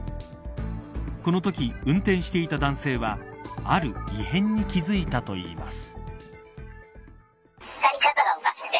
このとき運転していた男性はある異変に気付いたといいます。